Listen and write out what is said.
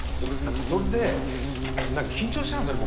それで緊張しちゃうんですね